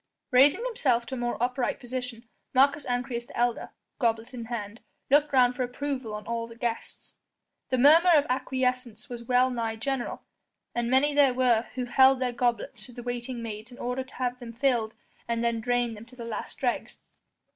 Raising himself to a more upright position, Marcus Ancyrus the elder, goblet in hand, looked round for approval on all the guests. The murmur of acquiescence was well nigh general, and many there were who held their goblets to the waiting maids in order to have them filled and then drained them to the last dregs.